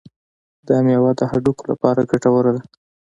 دا میوه د هډوکو لپاره ګټوره ده.